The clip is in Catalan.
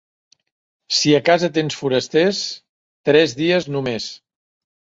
Si a casa tens forasters, tres dies només.